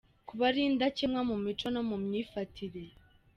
Kuba ari indakemwa mu mico no mu myifatire ;.